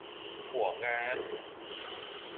หวงงาน